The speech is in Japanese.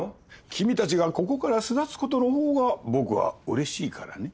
君たちがここから巣立つことの方が僕はうれしいからね。